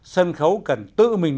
sân khấu cần tự mình